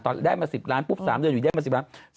ตอนนี้ได้มา๑๐ล้านบาทปุ๊บ๓เดือนอยู่ได้มา๑๐ล้านบาท